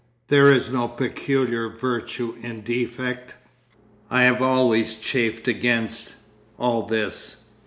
There is no peculiar virtue in defect. I have always chafed against—all this.